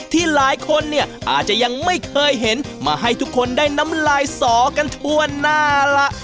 ที่หลายคนเนี่ยอาจจะยังไม่เคยเห็นมาให้ทุกคนได้น้ำลายสอกันทั่วหน้าล่ะ